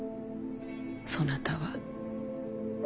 そなたは。